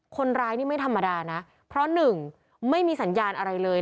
คนร้ายนี่ไม่ธรรมดานะเพราะหนึ่งไม่มีสัญญาณอะไรเลย